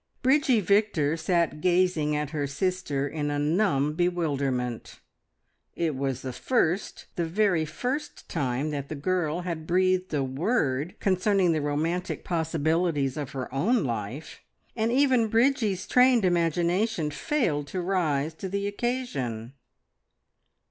Bridgie Victor sat gazing at her sister in a numb bewilderment. It was the first, the very first time that the girl had breathed a word concerning the romantic possibilities of her own life, and even Bridgie's trained imagination failed to rise to the occasion.